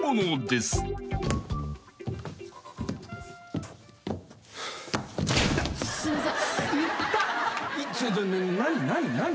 すいません。